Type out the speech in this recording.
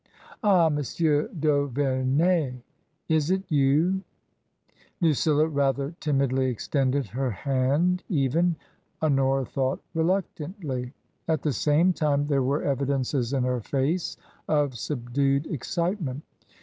" Ah ! Monsieur d'Auverney ! Is it you ?" Lucilla rather timidly extended her hand even — Hon ora thought — reluctantly. At the same time there were evidences in her face of subdued excitement.